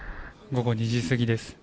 午後２時過ぎです。